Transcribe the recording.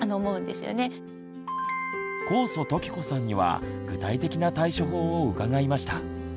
高祖常子さんには具体的な対処法を伺いました。